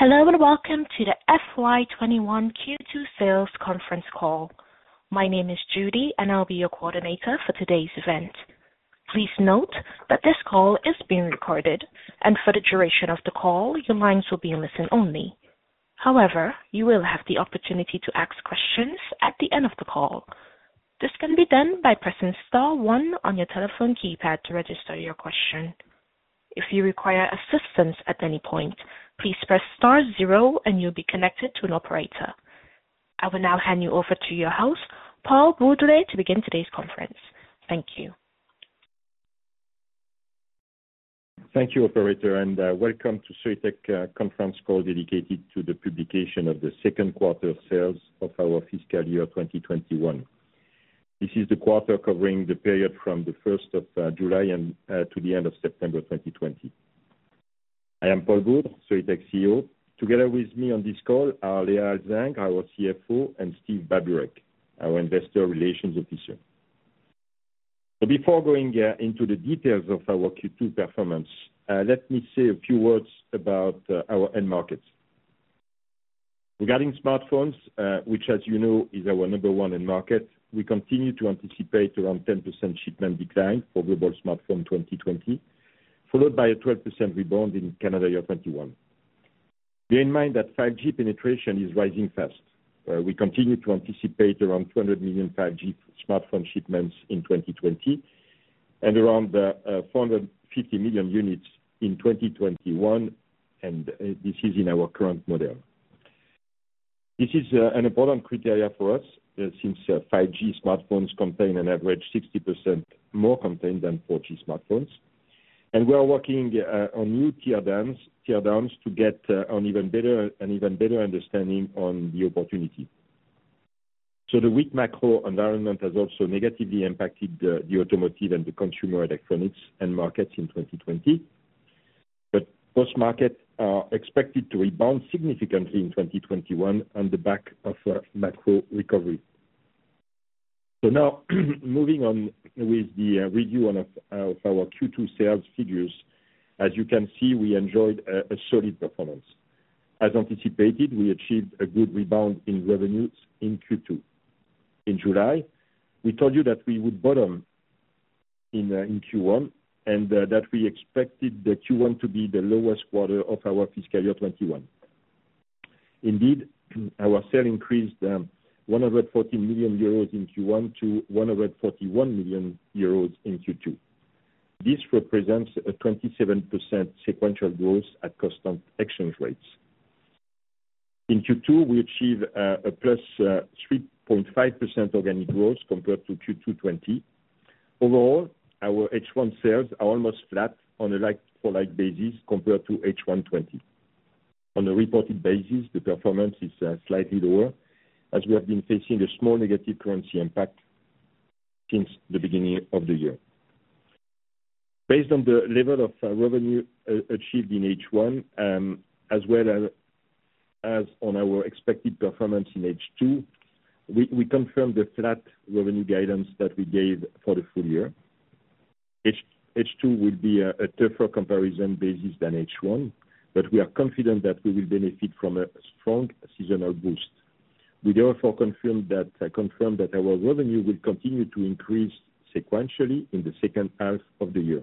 Hello and welcome to the FY21 Q2 sales conference call. My name is Judy, and I'll be your coordinator for today's event. Please note that this call is being recorded, and for the duration of the call, your lines will be in listen only. However, you will have the opportunity to ask questions at the end of the call. This can be done by pressing star one on your telephone keypad to register your question. If you require assistance at any point, please press star zero, and you'll be connected to an operator. I will now hand you over to your host, Paul Boudre, to begin today's conference. Thank you. Thank you, Operator, and welcome to Soitec Conference Call dedicated to the publication of the second quarter sales of our fiscal year 2021. This is the quarter covering the period from the 1st of July to the end of September 2020. I am Paul Boudre, Soitec CEO. Together with me on this call are Léa Alzingre, our CFO, and Steve Babureck, our investor relations officer. Before going into the details of our Q2 performance, let me say a few words about our end markets. Regarding smartphones, which, as you know, is our number one end market, we continue to anticipate around 10% shipment decline for global smartphone 2020, followed by a 12% rebound in calendar year 2021. Bear in mind that 5G penetration is rising fast. We continue to anticipate around 200 million 5G smartphone shipments in 2020 and around 450 million units in 2021, and this is in our current model. This is an important criterion for us since 5G smartphones contain an average 60% more content than 4G smartphones, and we are working on new teardowns to get an even better understanding on the opportunity. So the weak macro environment has also negatively impacted the automotive and the consumer electronics end markets in 2020, but most markets are expected to rebound significantly in 2021 on the back of macro recovery. So now, moving on with the review of our Q2 sales figures, as you can see, we enjoyed a solid performance. As anticipated, we achieved a good rebound in revenues in Q2. In July, we told you that we would bottom in Q1 and that we expected Q1 to be the lowest quarter of our fiscal year 2021. Indeed, our sales increased 114 million euros in Q1 to 141 million euros in Q2. This represents a 27% sequential growth at constant exchange rates. In Q2, we achieved a plus 3.5% organic growth compared to Q2 2020. Overall, our H1 sales are almost flat on a like-for-like basis compared to H1 2020. On a reported basis, the performance is slightly lower as we have been facing a small negative currency impact since the beginning of the year. Based on the level of revenue achieved in H1, as well as on our expected performance in H2, we confirmed the flat revenue guidance that we gave for the full year. H2 will be a tougher comparison basis than H1, but we are confident that we will benefit from a strong seasonal boost. We therefore confirmed that our revenue will continue to increase sequentially in the second half of the year.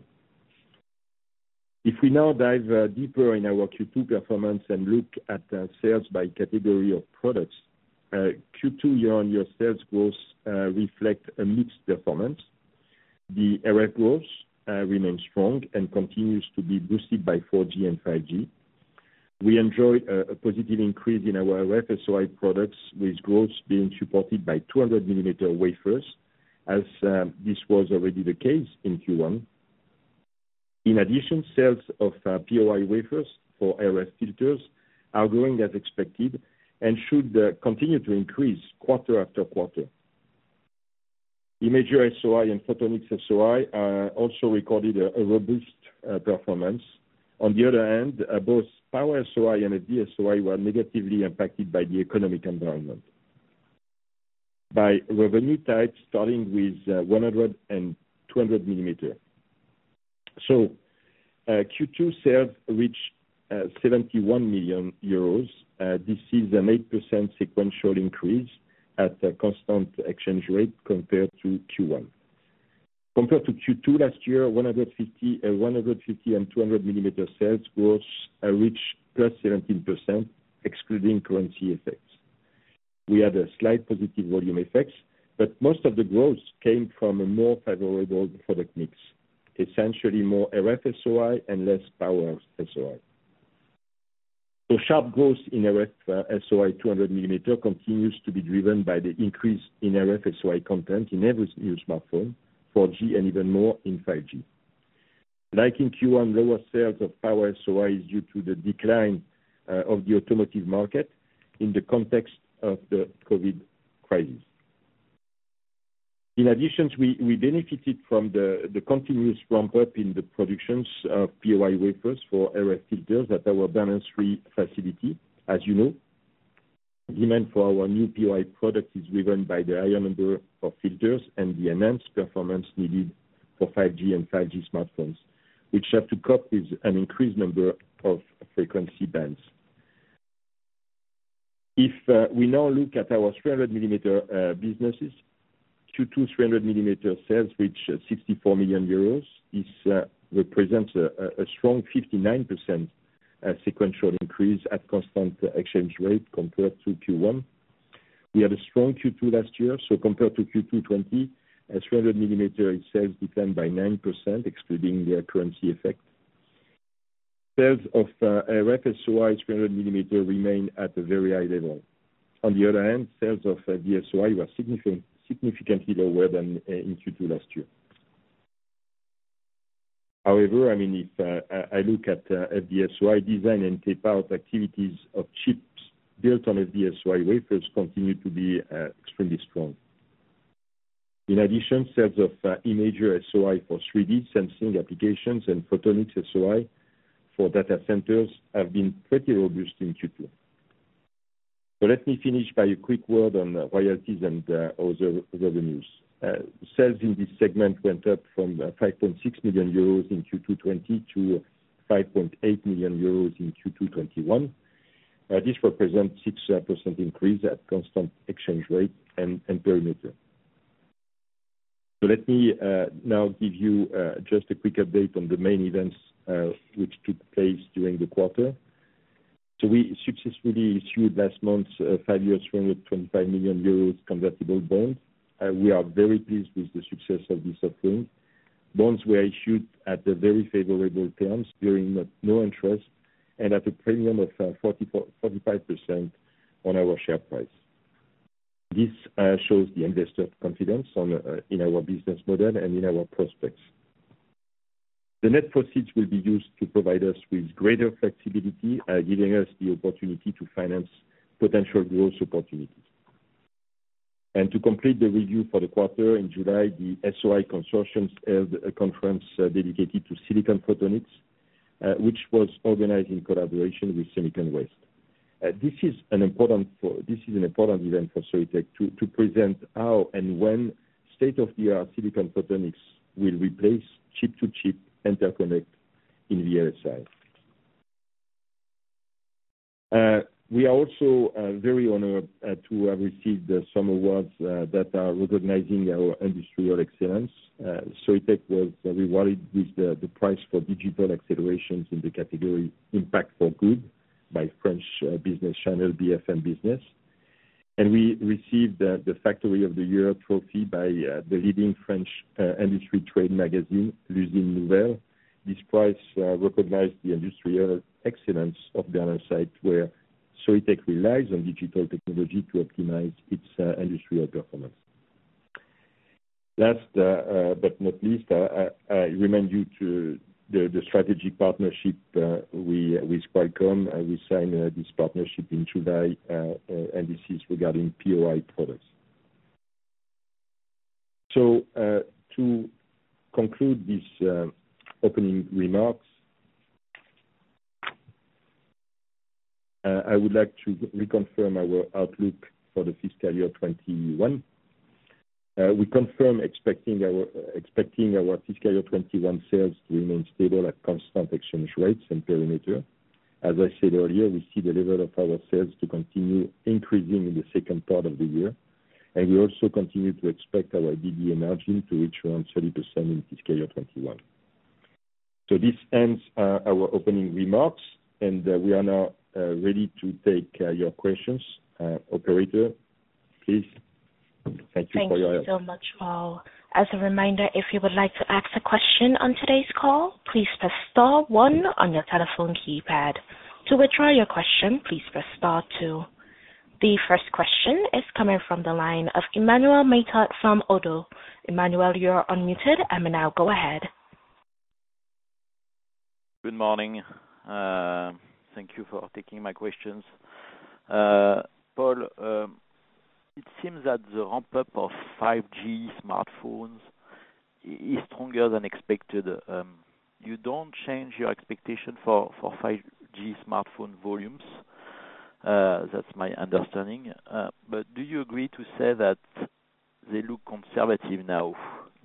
If we now dive deeper in our Q2 performance and look at sales by category of products, Q2 year-on-year sales growth reflects a mixed performance. The RF growth remains strong and continues to be boosted by 4G and 5G. We enjoyed a positive increase in our RF-SOI products, with growth being supported by 200-millimeter wafers, as this was already the case in Q1. In addition, sales of POI wafers for RF filters are growing as expected and should continue to increase quarter after quarter. Imager-SOI and Photonics-SOI also recorded a robust performance. On the other hand, both Power-SOI and FD-SOI were negatively impacted by the economic environment, by revenue types starting with 100- and 200-mm. Q2 sales reached 71 million euros. This is an 8% sequential increase at a constant exchange rate compared to Q1. Compared to Q2 last year, 150- and 200-mm sales growth reached plus 17%, excluding currency effects. We had a slight positive volume effect, but most of the growth came from a more favorable product mix, essentially more RF-SOI and less Power-SOI. So sharp growth in RF-SOI 200-mm continues to be driven by the increase in RF-SOI content in every new smartphone, 4G, and even more in 5G. Like in Q1, lower sales of Power-SOI is due to the decline of the automotive market in the context of the COVID crisis. In addition, we benefited from the continuous ramp-up in the productions of POI wafers for RF filters at our Bernin facility, as you know. Demand for our new POI product is driven by the higher number of filters and the enhanced performance needed for 5G and 5G smartphones, which have to cope with an increased number of frequency bands. If we now look at our 300 mm businesses, Q2 300 mm sales reached 64 million euros. This represents a strong 59% sequential increase at constant exchange rate compared to Q1. We had a strong Q2 last year, so compared to Q2 2020, 300 mm sales declined by 9%, excluding the currency effect. Sales of RF-SOI 300 mm remain at a very high level. On the other hand, sales of FD-SOI were significantly lower than in Q2 last year. However, I mean, if I look at FD-SOI design and tape-out activities of chips built on FD-SOI wafers continue to be extremely strong. In addition, sales of Imagery-SOI for 3D sensing applications and Photonics-SOI for data centers have been pretty robust in Q2. So let me finish by a quick word on royalties and other revenues. Sales in this segment went up from 5.6 million euros in Q2 2020 to 5.8 million euros in Q2 2021. This represents a 6% increase at constant exchange rate and perimeter. So let me now give you just a quick update on the main events which took place during the quarter. So we successfully issued last month's five-year 325 million euros convertible bond. We are very pleased with the success of this offering. Bonds were issued at very favorable terms during low interest and at a premium of 45% on our share price. This shows the investor confidence in our business model and in our prospects. The net profits will be used to provide us with greater flexibility, giving us the opportunity to finance potential growth opportunities and to complete the review for the quarter. In July, the SOI Consortium held a conference dedicated to silicon photonics, which was organized in collaboration with SEMICON West. This is an important event for Soitec to present how and when state-of-the-art silicon photonics will replace chip-to-chip interconnect in VLSI. We are also very honored to have received some awards that are recognizing our industrial excellence. Soitec was rewarded with the prize for Digital Acceleration in the category Impact for Good by French business channel BFM Business. And we received the Factory of the Year trophy by the leading French industry trade magazine, L'Usine Nouvelle. This prize recognized the industrial excellence of the other side where Soitec relies on digital technology to optimize its industrial performance. Last but not least, I remind you of the strategic partnership with Qualcomm. We signed this partnership in July, and this is regarding POI products. So to conclude these opening remarks, I would like to reconfirm our outlook for the fiscal year 2021. We confirm expecting our fiscal year 2021 sales to remain stable at constant exchange rates and perimeter. As I said earlier, we see the level of our sales to continue increasing in the second part of the year, and we also continue to expect our EBITDA margin to reach around 30% in fiscal year 2021. So this ends our opening remarks, and we are now ready to take your questions. Operator, please. Thank you for your help. Thank you so much, Paul. As a reminder, if you would like to ask a question on today's call, please press star one on your telephone keypad. To withdraw your question, please press star two. The first question is coming from the line of Emmanuel Matot from Oddo. Emmanuel, you're unmuted, and we now go ahead. Good morning. Thank you for taking my questions. Paul, it seems that the ramp-up of 5G smartphones is stronger than expected. You don't change your expectation for 5G smartphone volumes. That's my understanding. But do you agree to say that they look conservative now,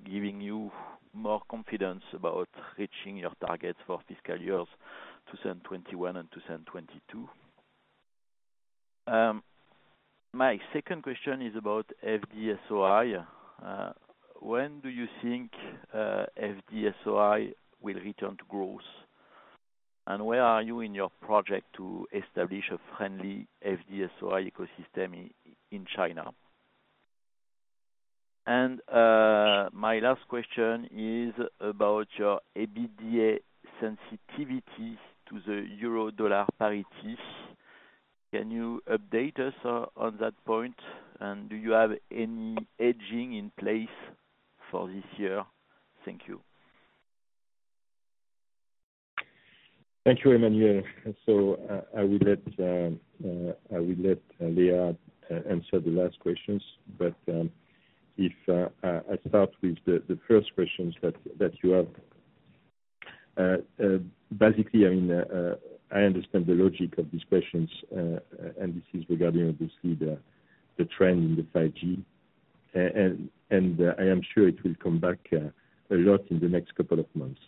giving you more confidence about reaching your targets for fiscal years 2021 and 2022? My second question is about FD-SOI. When do you think FD-SOI will return to growth? And where are you in your project to establish a friendly FD-SOI ecosystem in China? And my last question is about your EBITDA sensitivity to the euro-dollar parity. Can you update us on that point? And do you have any hedging in place for this year? Thank you. Thank you, Emmanuel. So I will let Léa answer the last questions, but if I start with the first questions that you have. Basically, I mean, I understand the logic of these questions, and this is regarding, obviously, the trend in the 5G, and I am sure it will come back a lot in the next couple of months.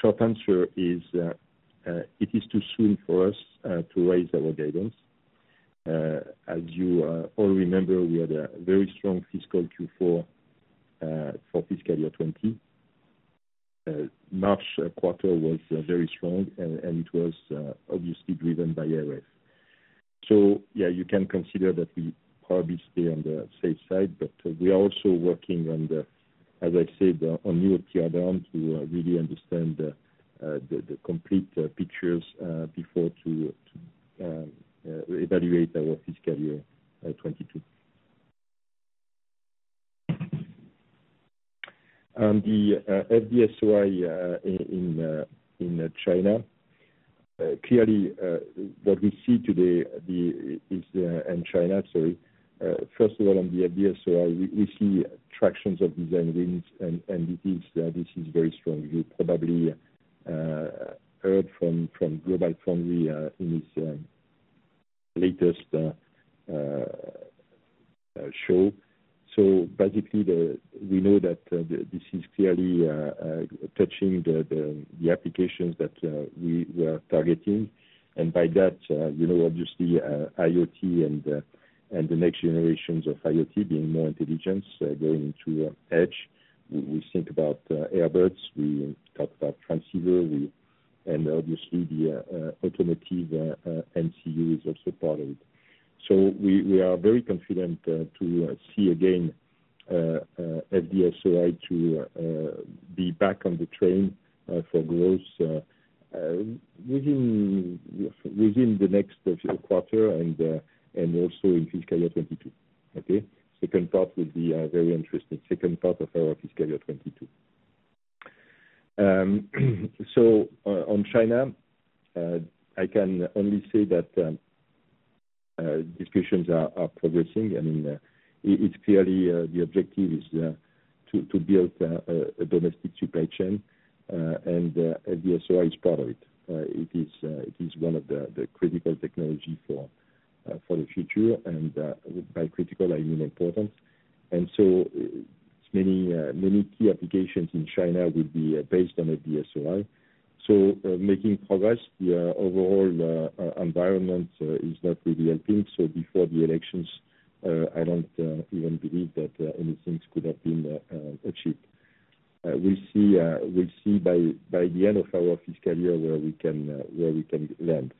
Short answer is it is too soon for us to raise our guidance. As you all remember, we had a very strong fiscal Q4 for fiscal year 2020. March quarter was very strong, and it was obviously driven by RF. So yeah, you can consider that we probably stay on the safe side, but we are also working on, as I said, on new tape-out to really understand the complete pictures before to evaluate our fiscal year 2022. On the FD-SOI in China, clearly, what we see today is in China, sorry. First of all, on the FD-SOI, we see traction on design wins, and this is a very strong view. Probably heard from GlobalFoundries in its latest show, so basically, we know that this is clearly touching the applications that we were targeting. And by that, you know, obviously, IoT and the next generations of IoT being more intelligence going into edge. We think about Arm boards. We talk about transceivers, and obviously, the automotive MCU is also part of it, so we are very confident to see again FD-SOI to be back on the track for growth within the next quarter and also in fiscal year 2022. Okay? Second part will be very interesting. Second part of our fiscal year 2022, so on China, I can only say that discussions are progressing. I mean, it's clearly the objective is to build a domestic supply chain, and FD-SOI is part of it. It is one of the critical technologies for the future, and by critical, I mean important. And so many key applications in China will be based on FD-SOI. So making progress, the overall environment is not really helping. So before the elections, I don't even believe that anything could have been achieved. We'll see by the end of our fiscal year where we can land.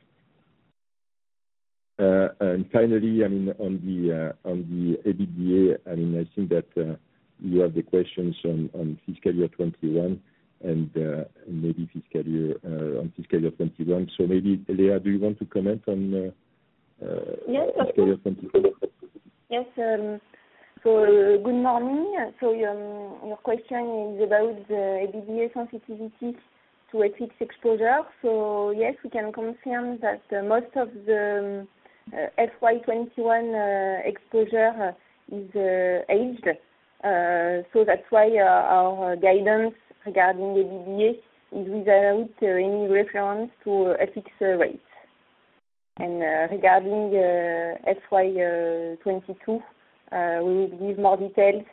And finally, I mean, on the EBITDA, I mean, I think that you have the questions on fiscal year 2021 and maybe fiscal year on fiscal year 2021. So maybe, Léa, do you want to comment on fiscal year 2022? Yes. Good morning. Your question is about the EBITDA sensitivity to FX exposure. Yes, we can confirm that most of the FY 2021 exposure is hedged. That's why our guidance regarding EBITDA is without any reference to FX rates. Regarding FY 2022, we will give more details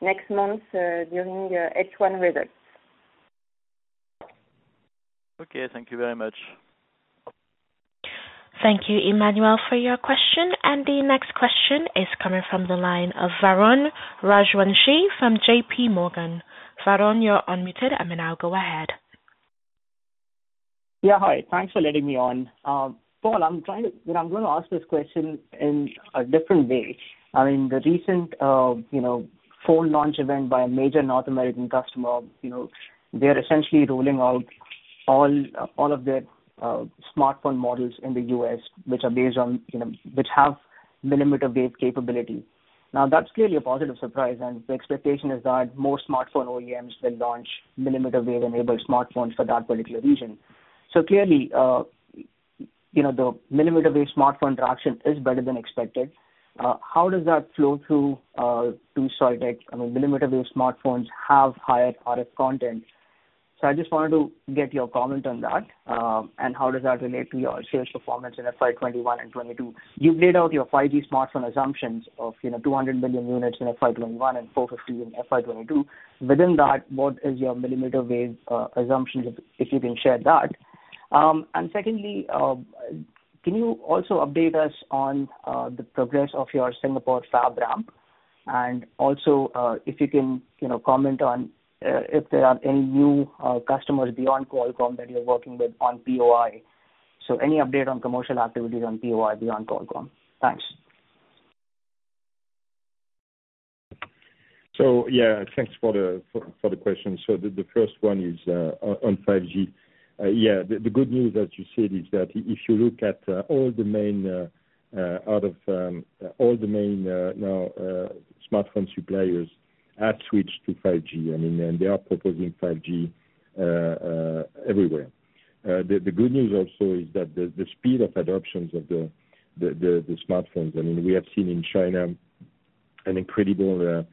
next month during H1 results. Okay. Thank you very much. Thank you, Emmanuel, for your question, and the next question is coming from the line of Varun Rajwanshi from J.P. Morgan. Varun, you're unmuted. I mean, I'll go ahead. Yeah. Hi. Thanks for letting me on. Paul, I'm trying to, well, I'm going to ask this question in a different way. I mean, the recent phone launch event by a major North American customer, they're essentially rolling out all of their smartphone models in the U.S., which are based on, which have millimeter wave capability. Now, that's clearly a positive surprise, and the expectation is that more smartphone OEMs will launch millimeter wave-enabled smartphones for that particular region. So clearly, the millimeter wave smartphone traction is better than expected. How does that flow through to Soitec? I mean, millimeter wave smartphones have higher RF content. So I just wanted to get your comment on that and how does that relate to your sales performance in FY 2021 and 2022? You've laid out your 5G smartphone assumptions of 200 million units in FY 2021 and 450 in FY 2022. Within that, what is your millimeter wave assumption if you can share that? And secondly, can you also update us on the progress of your Singapore fab ramp? And also, if you can comment on if there are any new customers beyond Qualcomm that you're working with on POI? So any update on commercial activities on POI beyond Qualcomm? Thanks. So yeah, thanks for the question. So the first one is on 5G. Yeah, the good news, as you said, is that if you look at all the main smartphone suppliers now have switched to 5G, I mean, and they are proposing 5G everywhere. The good news also is that the speed of adoptions of the smartphones, I mean, we have seen in China an incredible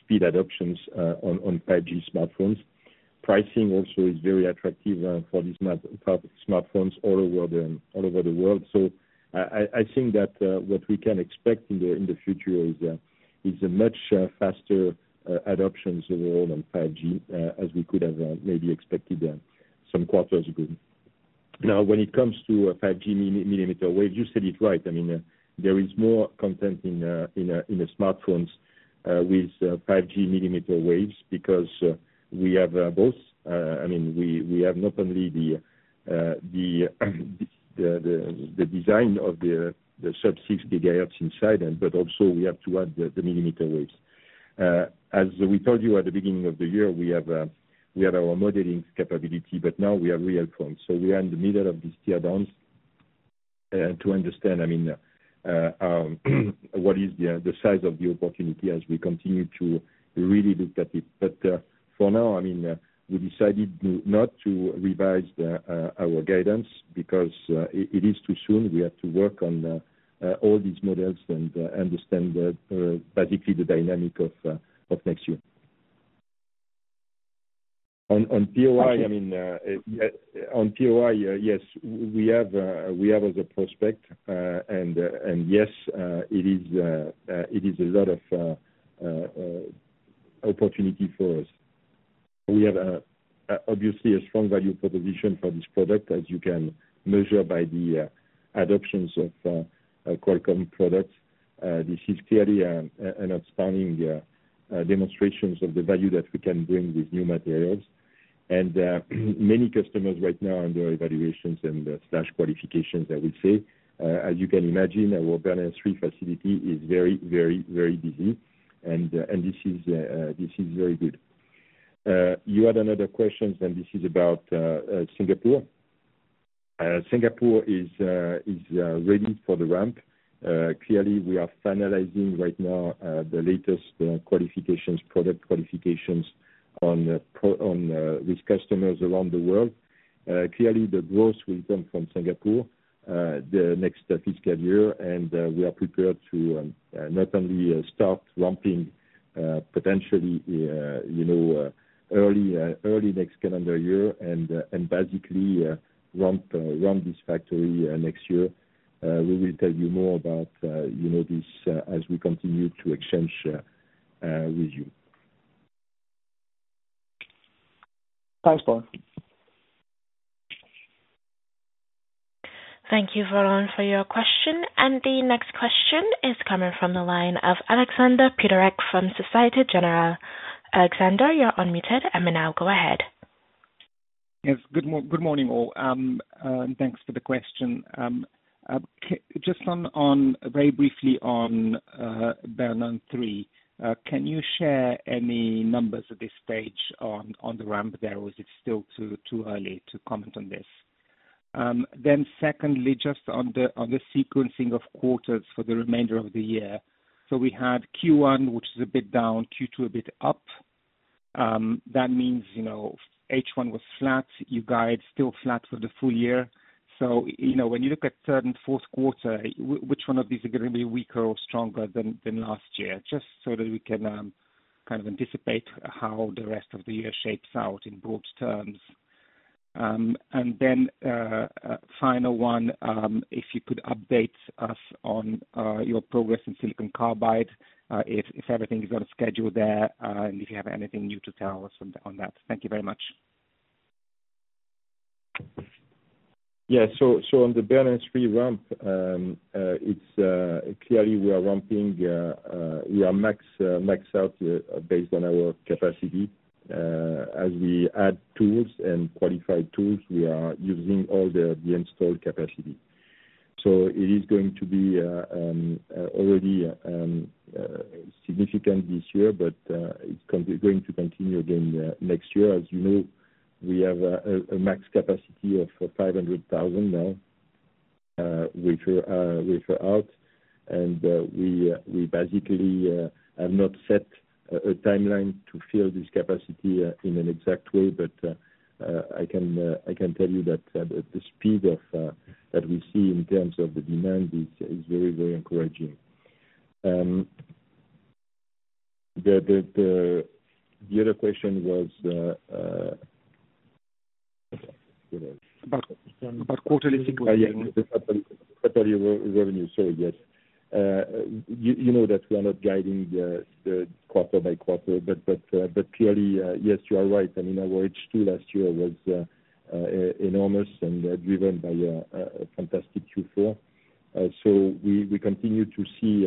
speed adoptions on 5G smartphones. Pricing also is very attractive for these smartphones all over the world. So I think that what we can expect in the future is much faster adoptions overall on 5G as we could have maybe expected some quarters ago. Now, when it comes to 5G millimeter wave, you said it right. I mean, there is more content in the smartphones with 5G millimeter waves because we have both. I mean, we have not only the design of the sub-6 GHz inside, but also we have to add the mmWave. As we told you at the beginning of the year, we have our modeling capability, but now we have real phones. We are in the middle of this teardown to understand, I mean, what is the size of the opportunity as we continue to really look at it. But for now, I mean, we decided not to revise our guidance because it is too soon. We have to work on all these models and understand basically the dynamic of next year. On POI, I mean, on POI, yes, we have a prospect, and yes, it is a lot of opportunity for us. We have, obviously, a strong value proposition for this product, as you can measure by the adoptions of Qualcomm products. This is clearly an outstanding demonstration of the value that we can bring with new materials, and many customers right now are under evaluations and/or qualifications, I will say. As you can imagine, our Bernin facility is very, very, very busy, and this is very good. You had another question, and this is about Singapore. Singapore is ready for the ramp. Clearly, we are finalizing right now the latest qualifications, product qualifications with customers around the world. Clearly, the growth will come from Singapore the next fiscal year, and we are prepared to not only start ramping potentially early next calendar year and basically ramp this factory next year. We will tell you more about this as we continue to exchange with you. Thanks, Paul. Thank you, Varun, for your question. The next question is coming from the line of Aleksander Peterc from Société Générale. Aleksander, you're unmuted. Emmanuel, go ahead. Yes. Good morning, all. Thanks for the question. Just very briefly on Bernin, can you share any numbers at this stage on the ramp there? Or is it still too early to comment on this? Then secondly, just on the sequencing of quarters for the remainder of the year. So we had Q1, which is a bit down, Q2 a bit up. That means H1 was flat. You guys are still flat for the full year. So when you look at third and fourth quarter, which one of these is going to be weaker or stronger than last year? Just so that we can kind of anticipate how the rest of the year shapes out in broad terms. And then final one, if you could update us on your progress in silicon carbide if everything is on schedule there, and if you have anything new to tell us on that. Thank you very much. Yeah. So on the Bernin ramp, clearly, we are ramping. We are maxed out based on our capacity. As we add tools and qualify tools, we are using all the installed capacity. So it is going to be already significant this year, but it's going to continue again next year. As you know, we have a max capacity of 500,000 now with our RF. And we basically have not set a timeline to fill this capacity in an exact way, but I can tell you that the speed that we see in terms of the demand is very, very encouraging. The other question was. About quarterly signals. Yeah. Prior revenue. Sorry. Yes. You know that we are not guiding the quarter by quarter, but clearly, yes, you are right. I mean, our H2 last year was enormous and driven by a fantastic Q4. We continue to see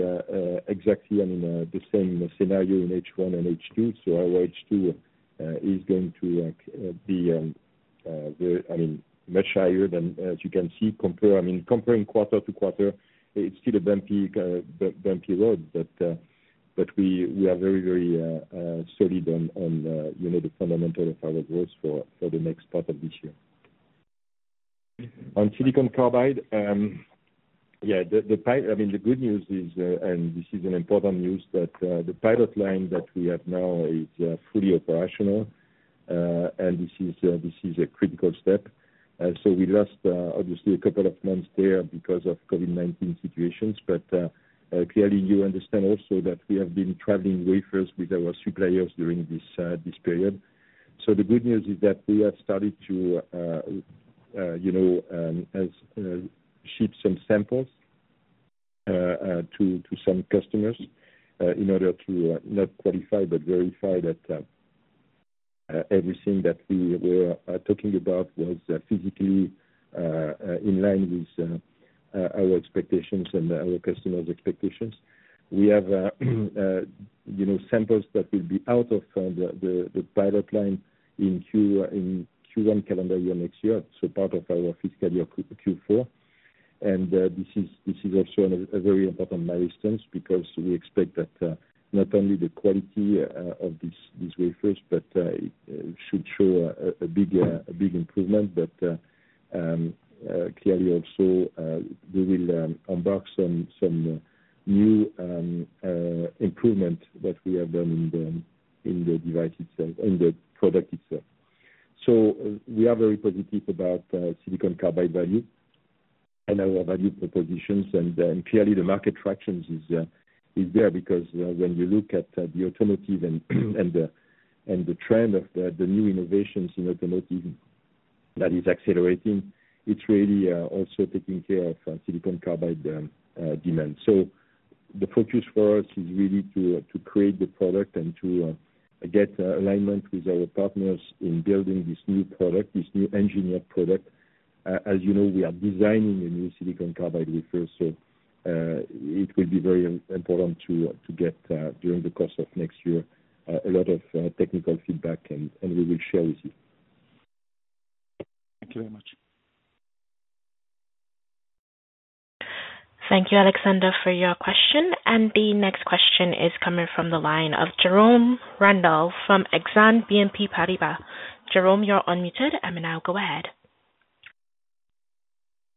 exactly, I mean, the same scenario in H1 and H2. Our H2 is going to be, I mean, much higher than, as you can see, comparing. I mean, comparing quarter to quarter, it is still a bumpy road, but we are very, very solid on the fundamental of our growth for the next part of this year. On Silicon Carbide, yeah, I mean, the good news is, and this is an important news, that the pilot line that we have now is fully operational, and this is a critical step. So we lost, obviously, a couple of months there because of COVID-19 situations, but clearly, you understand also that we have been traveling way first with our suppliers during this period. So the good news is that we have started to ship some samples to some customers in order to not qualify, but verify that everything that we were talking about was physically in line with our expectations and our customers' expectations. We have samples that will be out of the pilot line in Q1 calendar year next year, so part of our fiscal year Q4. And this is also a very important milestone because we expect that not only the quality of these wafers, but it should show a big improvement, but clearly, also, we will unbox some new improvements that we have done in the device itself, in the product itself. So we are very positive about silicon carbide value and our value propositions. And clearly, the market traction is there because when you look at the automotive and the trend of the new innovations in automotive that is accelerating, it's really also taking care of silicon carbide demand. So the focus for us is really to create the product and to get alignment with our partners in building this new product, this new engineered product. As you know, we are designing a new silicon carbide wafer, so it will be very important to get, during the course of next year, a lot of technical feedback, and we will share with you. Thank you very much. Thank you, Aleksander, for your question, and the next question is coming from the line of Jerome Ramel from Exane BNP Paribas. Jerome, you're unmuted. Emmanuel, go ahead.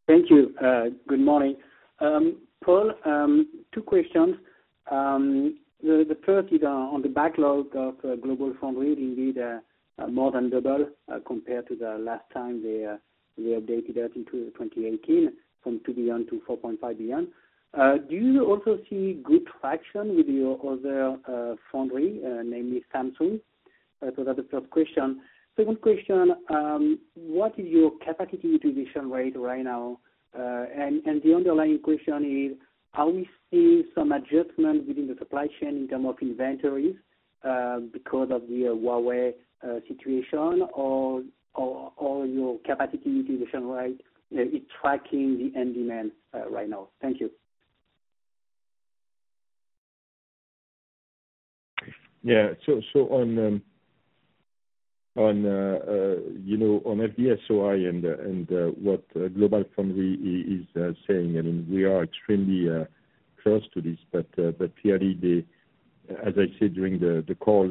Thank you. Good morning. Paul, two questions. The first is on the backlog of GlobalFoundries, indeed, more than double compared to the last time they updated that into 2018 from $2 billion to $4.5 billion. Do you also see good traction with your other foundry, namely Samsung? So that's the first question. Second question, what is your capacity utilization rate right now? And the underlying question is, are we seeing some adjustment within the supply chain in terms of inventories because of the Huawei situation, or your capacity utilization rate is tracking the end demand right now? Thank you. Yeah. So on FD-SOI and what GlobalFoundries is saying, I mean, we are extremely close to this, but clearly, as I said during the call,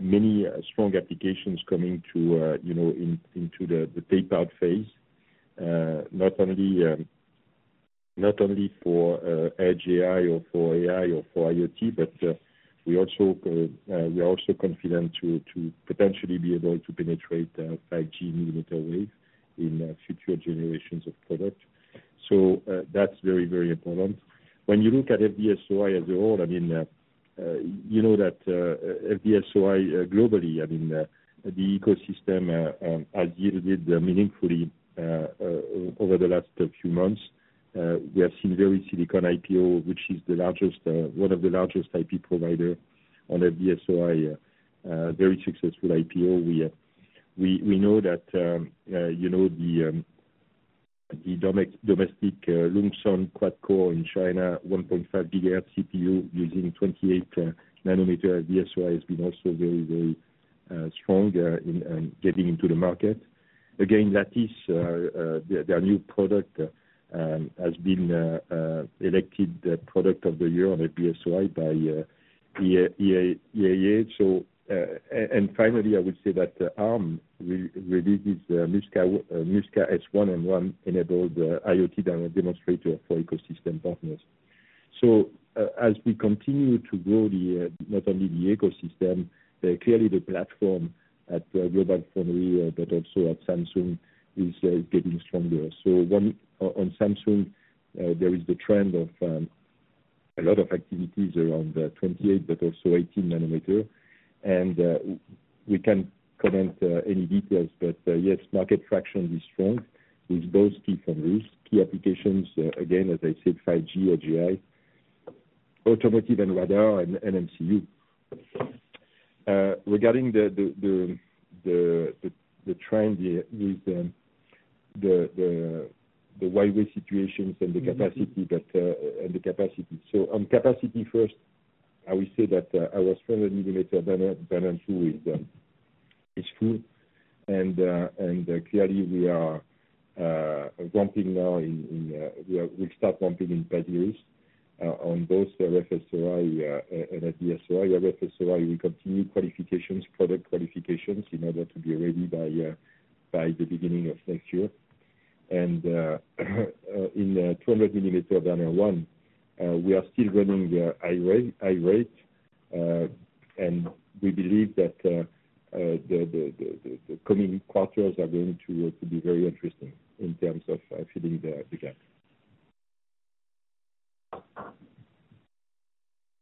many strong applications are coming into the paper phase, not only for edge AI or for AI or for IoT, but we are also confident to potentially be able to penetrate 5G millimeter wave in future generations of products. So that's very, very important. When you look at FD-SOI as a whole, I mean, you know that FD-SOI globally, I mean, the ecosystem has yielded meaningfully over the last few months. We have seen VeriSilicon IPO, which is one of the largest IP providers on FD-SOI, a very successful IPO. We know that the domestic Loongson quad-core in China, 1.5 gigahertz CPU using 28 nanometers, FD-SOI has been also very, very strong in getting into the market. Again, that is their new product has been elected product of the year on FD-SOI by WEAA. And finally, I would say that Arm released this Musca-S1, an FD-SOI enabled IoT demonstrator for ecosystem partners. As we continue to grow not only the ecosystem, clearly the platform at GlobalFoundries, but also at Samsung, is getting stronger. On Samsung, there is the trend of a lot of activities around 28, but also 18 nanometer. And we can't comment any details, but yes, market traction is strong with both key foundries, key applications, again, as I said, 5G, edge AI, automotive and radar, and MCU. Regarding the trend with the Huawei situation and the capacity. On capacity first, I will say that our 200-millimeter Bernin is full. Clearly, we are ramping now. We'll start ramping in Pasir Ris on both RF-SOI and FD-SOI. RF-SOI will continue qualifications, product qualifications in order to be ready by the beginning of next year. In 200-millimeter Bernin 1, we are still running high rate, and we believe that the coming quarters are going to be very interesting in terms of filling the gap.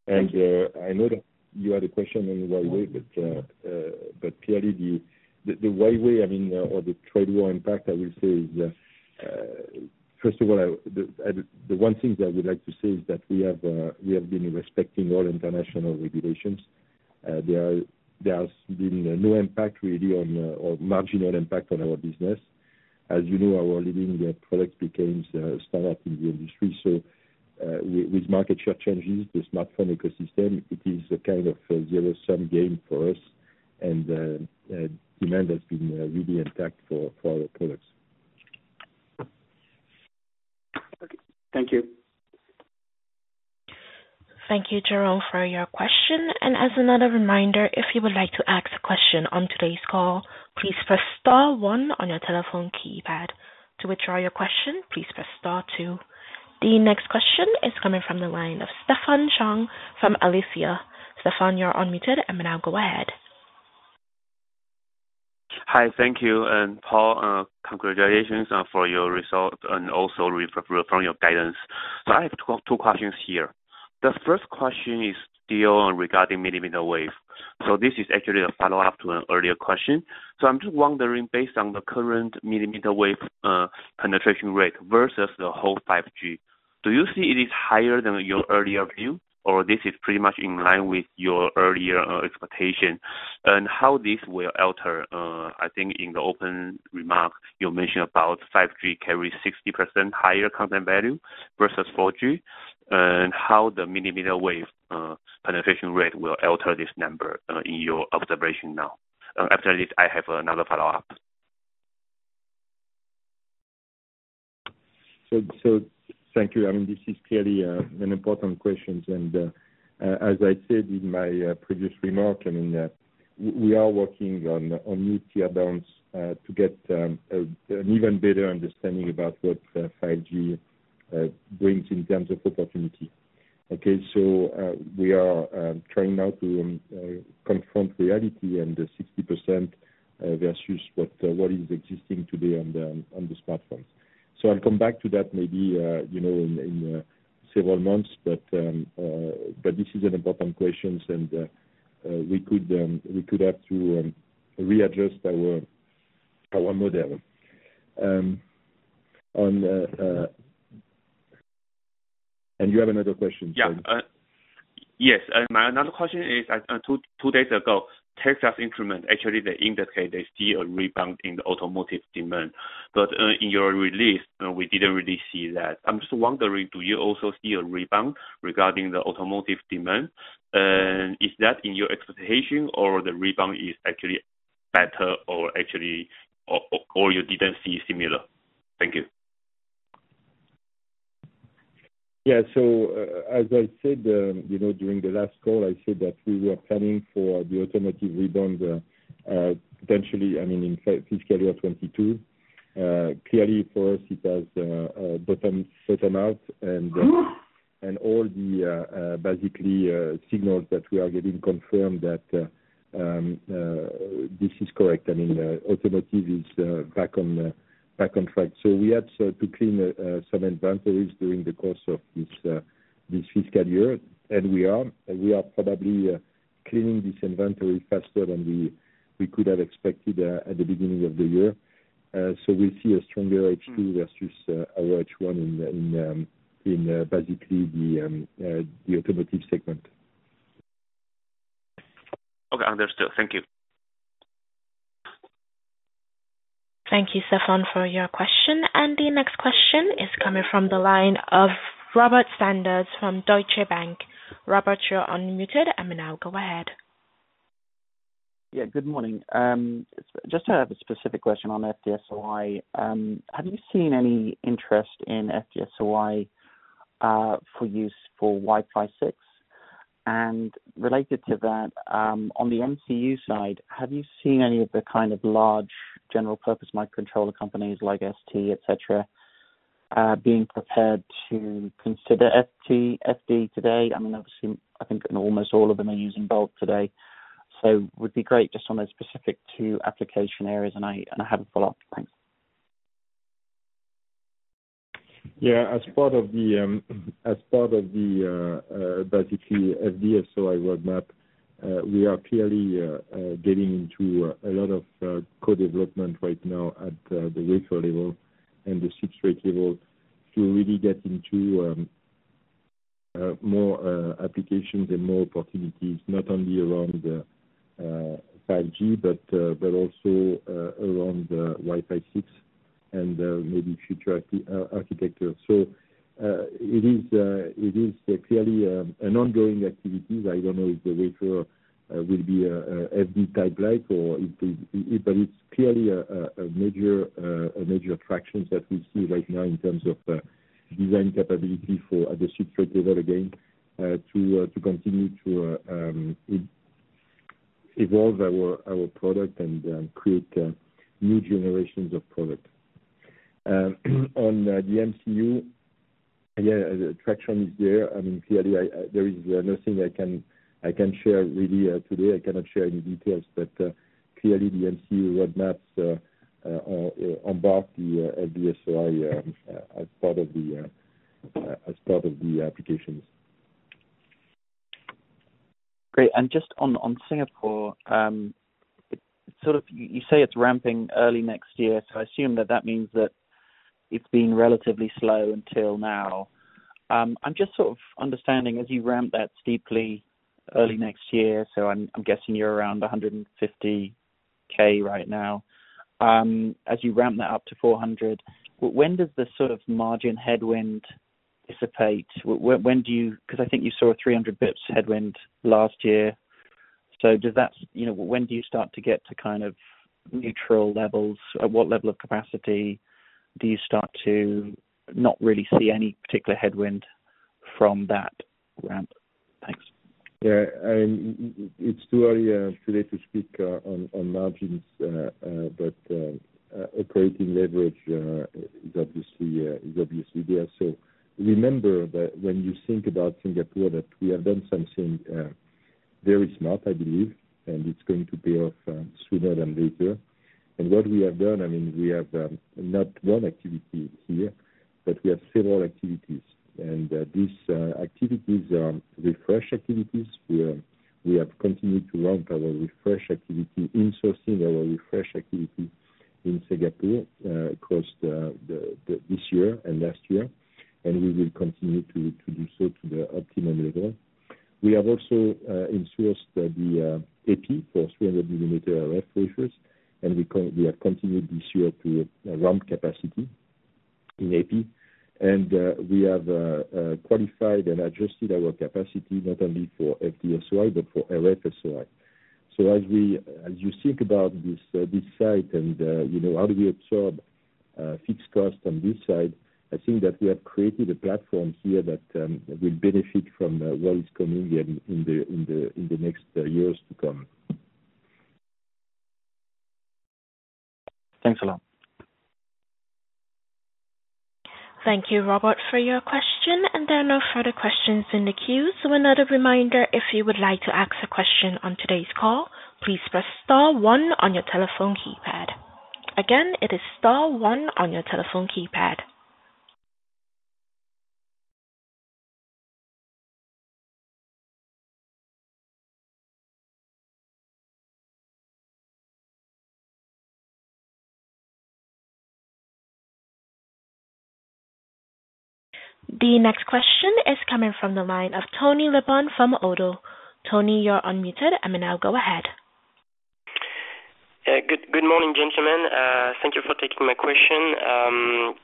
I know that you had a question on Huawei, but clearly, the Huawei, I mean, or the trade war impact, I will say, is first of all, the one thing that I would like to say is that we have been respecting all international regulations. There has been no impact really on or marginal impact on our business. As you know, our leading product became standard in the industry. So with market share changes, the smartphone ecosystem, it is a kind of zero-sum game for us, and demand has been really intact for our products. Okay. Thank you. Thank you, Jerome, for your question, and as another reminder, if you would like to ask a question on today's call, please press star 1 on your telephone keypad. To withdraw your question, please press star 2. The next question is coming from the line of Stefan Chang from Aletheia Capital. Stefan, you're unmuted. Emmanuel, go ahead. Hi. Thank you, and Paul, congratulations for your results and also reaffirming your guidance. I have two questions here. The first question is still regarding millimeter wave. This is actually a follow-up to an earlier question. I'm just wondering, based on the current millimeter wave penetration rate versus the whole 5G, do you see it is higher than your earlier view, or this is pretty much in line with your earlier expectation? And how this will alter? I think, in the opening remarks, you mentioned about 5G carrying 60% higher content value versus 4G, and how the millimeter wave penetration rate will alter this number in your observation now? After this, I have another follow-up. So thank you. I mean, this is clearly an important question. And as I said in my previous remark, I mean, we are working on new teardowns to get an even better understanding about what 5G brings in terms of opportunity. Okay? So we are trying now to confront reality and the 60% versus what is existing today on the smartphones. So I'll come back to that maybe in several months, but this is an important question, and we could have to readjust our model. And you have another question, sorry. Yeah. Yes. My another question is, two days ago, Texas Instruments, actually, they indicated they see a rebound in the automotive demand. But in your release, we didn't really see that. I'm just wondering, do you also see a rebound regarding the automotive demand? And is that in your expectation, or the rebound is actually better, or you didn't see similar? Thank you. Yeah. So as I said, during the last call, I said that we were planning for the automotive rebound potentially, I mean, in fiscal year 2022. Clearly, for us, it has bottom out, and all the basically signals that we are getting confirmed that this is correct. I mean, automotive is back on track. So we had to clean some inventories during the course of this fiscal year, and we are probably cleaning this inventory faster than we could have expected at the beginning of the year. So we see a stronger H2 versus our H1 in basically the automotive segment. Okay. Understood. Thank you. Thank you, Stefan, for your question. The next question is coming from the line of Robert Sanders from Deutsche Bank. Robert, you're uYeah. Yes. My another question is, two days ago, Texas Instruments, actually, they indicated they see a rebound in the automotive demand. But in your release, we didn't really see that. I'm just wondering, do you also see a rebound regarding the automotive demand? And is that in your expectation, or the rebound is actually better, or you didn't see similar? Thank you. Yeah. Good morning. Just to have a specific question on FD-SOI, have you seen any interest in FD-SOI for use for Wi-Fi 6? And related to that, on the MCU side, have you seen any of the kind of large general-purpose microcontroller companies like ST, etc., being prepared to consider FD-SOI today? I mean, obviously, I think almost all of them are using bulk today. So it would be great just on the specific two application areas, and I have a follow-up. Thanks. Yeah. As part of the basically FD-SOI roadmap, we are clearly getting into a lot of co-development right now at the wafer level and the substrate level to really get into more applications and more opportunities, not only around 5G, but also around Wi-Fi 6 and maybe future architecture. So it is clearly an ongoing activity. I don't know if the wafer will be FD-type light, but it's clearly a major traction that we see right now in terms of design capability at the substrate level, again, to continue to evolve our product and create new generations of product. On the MCU, yeah, traction is there. I mean, clearly, there is nothing I can share really today. I cannot share any details, but clearly, the MCU roadmaps embark the FD-SOI as part of the applications. Great. Just on Singapore, sort of you say it's ramping early next year, so I assume that that means that it's been relatively slow until now. I'm just sort of understanding, as you ramp that steeply early next year, so I'm guessing you're around 150K right now, as you ramp that up to 400, when does the sort of margin headwind dissipate? Because I think you saw a 300 basis points headwind last year. So when do you start to get to kind of neutral levels? At what level of capacity do you start to not really see any particular headwind from that ramp? Thanks. Yeah. It's too early today to speak on margins, but operating leverage is obviously there. So remember that when you think about Singapore, that we have done something very smart, I believe, and it's going to pay off sooner than later. And what we have done, I mean, we have not one activity here, but we have several activities. And these activities are refresh activities. We have continued to ramp our refresh activity in sourcing our refresh activity in Singapore across this year and last year, and we will continue to do so to the optimum level. We have also insourced the Epi for 300-millimeter RF-SOI wafers, and we have continued this year to ramp capacity in Epi. And we have qualified and adjusted our capacity not only for FD-SOI, but for RF-SOI. So, as you think about this side and how we absorb fixed costs on this side, I think that we have created a platform here that will benefit from what is coming in the next years to come. Thanks a lot. Thank you, Robert, for your question. There are no further questions in the queue. Another reminder, if you would like to ask a question on today's call, please press star 1 on your telephone keypad. Again, it is star 1 on your telephone keypad. The next question is coming from the line of Emmanuel Matot from Oddo. Emmanuel, you're unmuted. Emmanuel, go ahead. Good morning, gentlemen. Thank you for taking my question.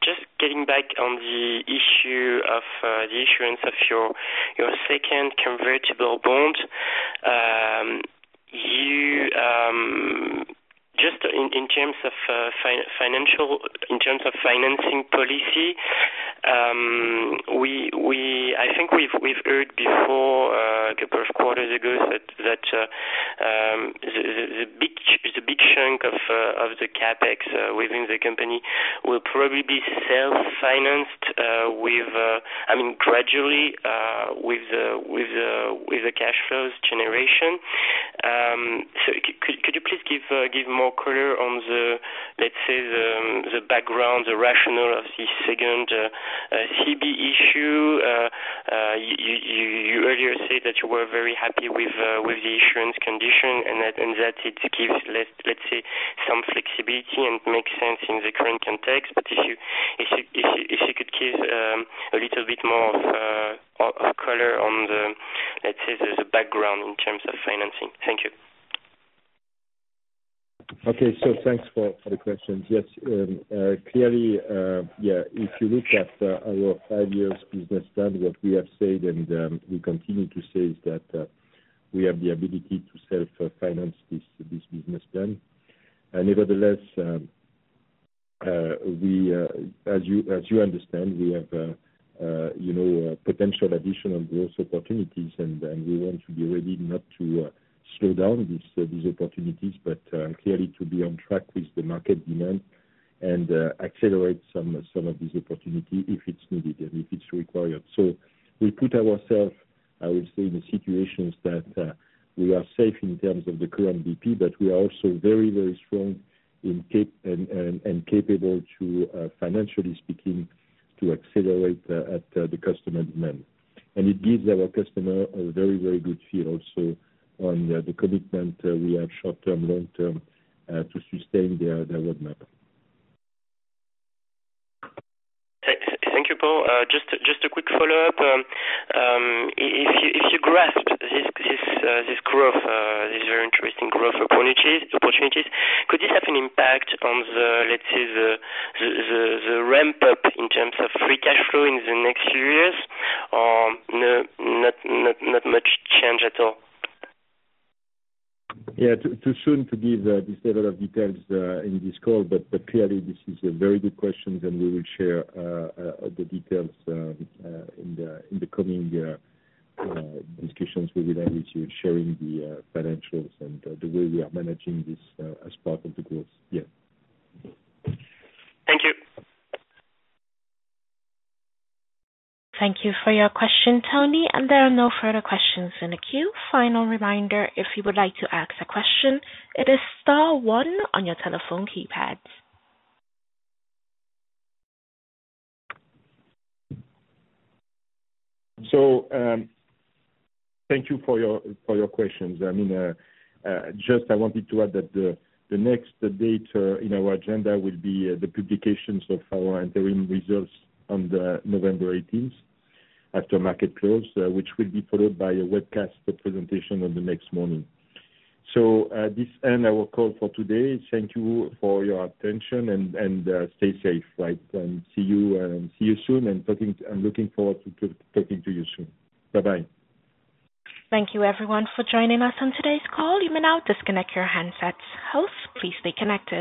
Just getting back on the issue of the issuance of your second convertible bond. Just in terms of financing policy, I think we've heard before a couple of quarters ago that the big chunk of the CapEx within the company will probably be self-financed, I mean, gradually with the cash flows generation. So could you please give more color on, let's say, the background, the rationale of this second CB issue? You earlier said that you were very happy with the issuance condition and that it gives, let's say, some flexibility and makes sense in the current context. But if you could give a little bit more of color on, let's say, the background in terms of financing. Thank you. Okay, so thanks for the questions. Yes. Clearly, yeah, if you look at our five-year business plan, what we have said, and we continue to say, is that we have the ability to self-finance this business plan. Nevertheless, as you understand, we have potential additional growth opportunities, and we want to be ready not to slow down these opportunities, but clearly to be on track with the market demand and accelerate some of these opportunities if it's needed and if it's required, so we put ourselves, I would say, in a situation that we are safe in terms of the current BP, but we are also very, very strong and capable, financially speaking, to accelerate at the customer demand, and it gives our customer a very, very good feel also on the commitment we have short-term, long-term to sustain their roadmap. Thank you, Paul. Just a quick follow-up. If you grasp this growth, this very interesting growth opportunities, could this have an impact on, let's say, the ramp-up in terms of free cash flow in the next few years? Not much change at all. Yeah. Too soon to give this level of details in this call, but clearly, this is a very good question, and we will share the details in the coming discussions we will have with you, sharing the financials and the way we are managing this as part of the growth. Yeah. Thank you. Thank you for your question, Tony. There are no further questions in the queue. Final reminder, if you would like to ask a question, it is star 1 on your telephone keypad. So thank you for your questions. I mean, just I wanted to add that the next date in our agenda will be the publications of our interim results on November 18th after market close, which will be followed by a webcast presentation on the next morning. So this ends our call for today. Thank you for your attention, and stay safe, right? And see you soon. And I'm looking forward to talking to you soon. Bye-bye. Thank you, everyone, for joining us on today's call. You may now disconnect your handsets. Hopefully, you stay connected.